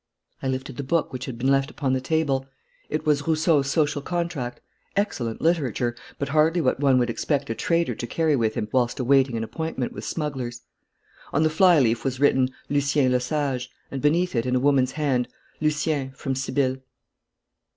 I lifted the book which had been left upon the table. It was Rousseau's 'Social Contract' excellent literature, but hardly what one would expect a trader to carry with him whilst awaiting an appointment with smugglers. On the fly leaf was written 'Lucien Lesage,' and beneath it, in a woman's hand, 'Lucien, from Sibylle.'